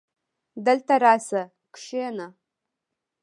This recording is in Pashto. دلته راسه کينه